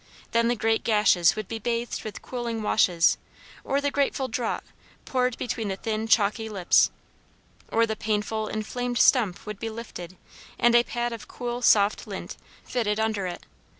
Then the great gashes would be bathed with cooling washes, or the grateful draught poured between the thin, chalky lips, or the painful, inflamed stump would be lifted and a pad of cool, soft lint, fitted under it.